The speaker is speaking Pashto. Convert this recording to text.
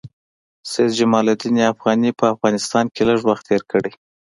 سید جمال الدین افغاني په افغانستان کې لږ وخت تېر کړی.